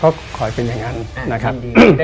ก็ขอให้เป็นอย่างนั้นนะครับ